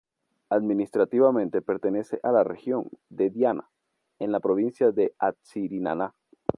Administrativamente pertenece a la región de Diana, en la provincia de Antsiranana.